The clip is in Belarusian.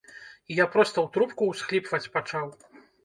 І я проста ў трубку ўсхліпваць пачаў.